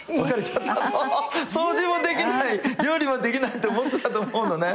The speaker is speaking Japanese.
掃除もできない料理もできないって思ってたと思うのね。